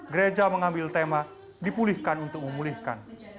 gereja mengambil tema dipulihkan untuk memulihkan